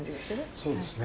そうですね。